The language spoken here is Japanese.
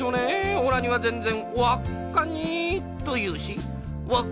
おらにはぜんぜんわっカンニー」というしわっ